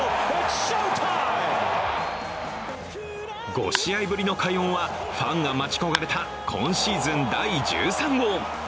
５試合ぶりの快音はファンが待ち焦がれた今シーズン第１３号。